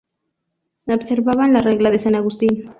Observaban la regla de san Agustín.